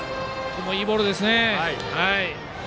いいボールでしたね。